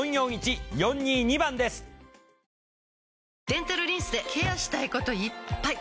デンタルリンスでケアしたいこといっぱい！